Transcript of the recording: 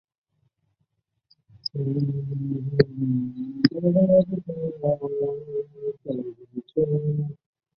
澜沧羌活是伞形科羌活属的植物。